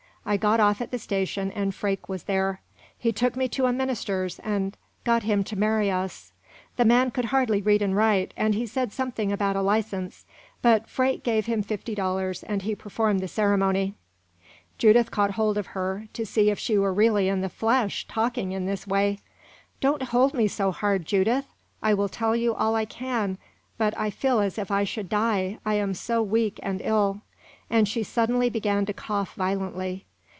I got off at the station and Freke was there. He took me to a minister's and got him to marry us. The man could hardly read and write, and he said something about a license; but Freke gave him fifty dollars, and he performed the ceremony." Judith caught hold of her, to see if she were really in the flesh, talking in this way. "Don't hold me so hard, Judith. I will tell you all I can; but I feel as if I should die, I am so weak and ill " and she suddenly began to cough violently.